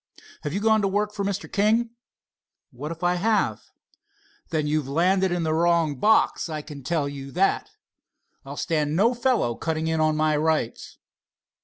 "Have you gone to work for King?" "What if I have?" "Then you've landed in the wrong box, I can tell you that. I'll stand no fellow cutting in on my rights."